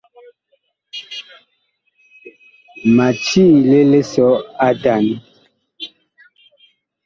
Ma tiile lisɔ a atan.